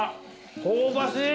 香ばしい。